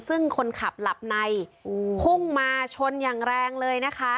ซึ่งคนขับหลับในพุ่งมาชนอย่างแรงเลยนะคะ